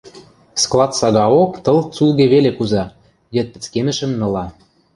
Склад сагаок тыл цулге веле куза, йыд пӹцкемӹшӹм ныла.